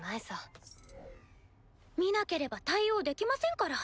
ピッ見なければ対応できませんから。